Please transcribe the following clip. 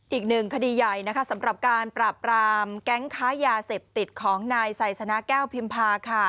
อีกหนึ่งคดีใหญ่นะคะสำหรับการปราบรามแก๊งค้ายาเสพติดของนายไซสนาแก้วพิมพาค่ะ